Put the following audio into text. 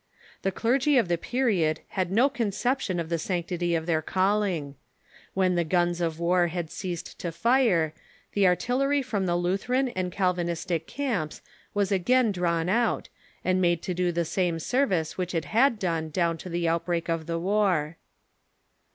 The clergy of the period had no conception of the sanctity of their calling. W^hen the guns of war had ceased to fire, the artil lery from the Lutheran and Calvinistic camps was again drawn out, and made to do the same service which it had done down to the outbreak of the war.